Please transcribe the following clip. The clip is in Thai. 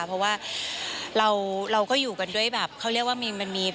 เพราะว่าเราก็อยู่กันด้วยแบบเขาเรียกว่ามันมี